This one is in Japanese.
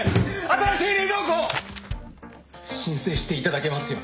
新しい冷蔵庫申請していただけますよね？